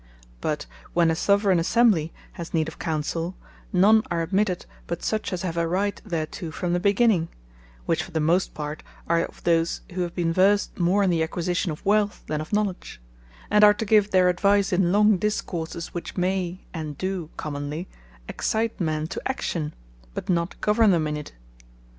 But when a Soveraigne Assembly has need of Counsell, none are admitted but such as have a Right thereto from the beginning; which for the most part are of those who have beene versed more in the acquisition of Wealth than of Knowledge; and are to give their advice in long discourses, which may, and do commonly excite men to action, but not governe them in it.